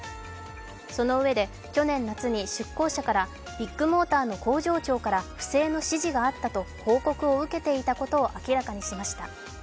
そのうえで去年夏に出向者からビッグモーターの工場長から不正の指示があったと報告を受けていたことを明らかにしました。